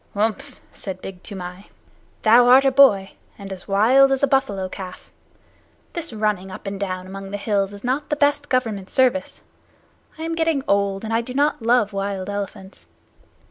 "Umph!" said Big Toomai. "Thou art a boy, and as wild as a buffalo calf. This running up and down among the hills is not the best Government service. I am getting old, and I do not love wild elephants.